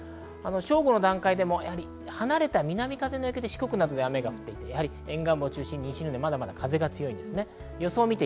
正午の段階でも離れた南風の影響で四国などで雨が降っていて沿岸部を中心に西日本で風がまだまだ強いです。